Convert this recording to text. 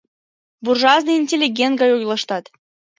Буржуазный интеллигент гай ойлыштат.